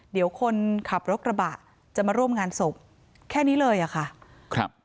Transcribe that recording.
เดี๋ยวคนขับรถกระบะจะมาร่วมงานศพแค่นี้เลยอ่ะค่ะครับ